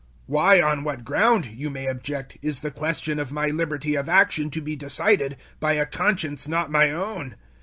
"Why, on what ground," you may object, "is the question of my liberty of action to be decided by a conscience not my own?